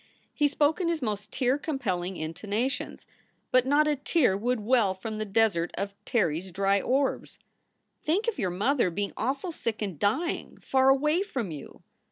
He spoke in his most tear compelling intonations. But not a tear would well from the desert of Terry s dry orbs. "Think of your mother being awful sick and dying, far away from you!"